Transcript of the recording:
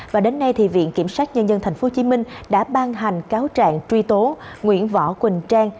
và đến nay thì viện kiểm sát nhân dân tp hcm đã ban hành cáo trạng truy tố nguyễn võ quỳnh trang